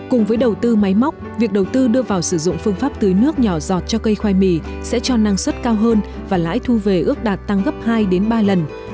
cùng với đầu tư máy móc việc đầu tư đưa vào sử dụng phương pháp tưới nước nhỏ giọt cho cây khoai mì sẽ cho năng suất cao hơn và lãi thu về ước đạt tăng gấp hai ba lần